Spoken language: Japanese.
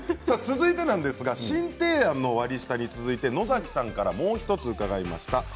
さあ続いてなんですが新提案の割り下に続いて野さんからもう一つ伺いました。